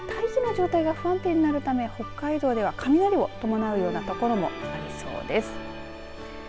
大気の状態が不安定となるため北海道では雷を伴うようなところもありそうです。